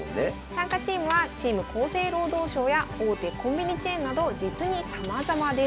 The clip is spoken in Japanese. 参加チームはチーム厚生労働省や大手コンビニチェーンなど実にさまざまです。